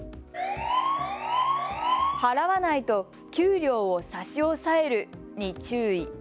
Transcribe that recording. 払わないと給料を差し押さえるに注意。